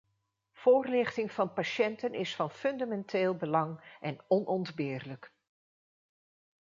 Voorlichting van patiënten is van fundamenteel belang en onontbeerlijk.